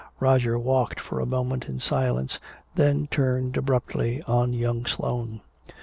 Roger walked for a moment in silence, then turned abruptly on young Sloane.